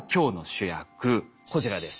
こちらです。